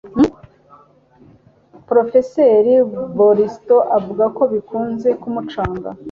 Porofeseri Barton avuga ko bikunze kumucanga